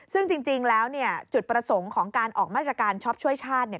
ซึ่งจริงแล้วเนี่ยจุดประสงค์ของการออกมาตรการช็อปช่วยชาติเนี่ย